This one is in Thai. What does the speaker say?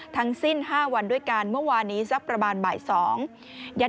ทั้งสิ้น๕วันด้วยกันเมื่อวานนี้สักประมาณบ่ายสอง